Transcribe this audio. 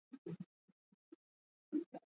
ili wawe na umoja kama sisi tulivyo